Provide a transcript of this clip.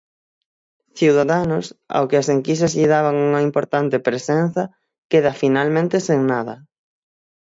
Ciudadanos, ao que as enquisas lle daban unha importante presenza, queda finalmente sen nada.